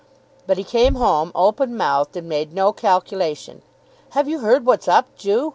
But he came home open mouthed, and made no calculation. "Have you heard what's up, Ju?"